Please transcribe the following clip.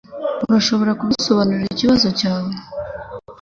Urashobora kudusobanurira ikibazo cyawe?